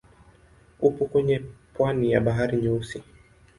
Upo kwenye pwani ya Bahari Nyeusi.